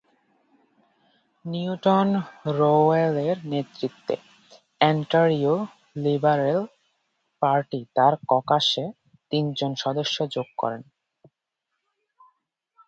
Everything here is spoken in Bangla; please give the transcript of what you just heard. নিউটন রোওয়েলের নেতৃত্বে অন্টারিও লিবারেল পার্টি তার ককাসে তিনজন সদস্য যোগ করে।